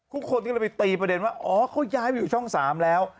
ทุกคนก็เลยไปตีประเด็นว่าอ๋อเขาย้ายไปอยู่ช่อง๓แล้ว